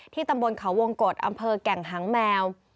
ตำบลเขาวงกฎอำเภอแก่งหางแมว